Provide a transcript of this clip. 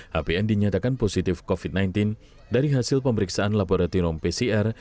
hbn dinyatakan positif covid sembilan belas dari hasil pemeriksaan laboratorium pcr